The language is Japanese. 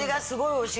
おいしい。